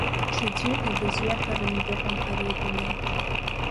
Ҽаӡәы ибызиаҳәаран быҟам ари адунеиаҿ.